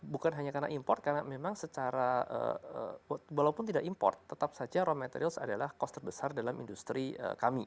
bukan hanya karena import karena memang secara walaupun tidak import tetap saja raw materials adalah cost terbesar dalam industri kami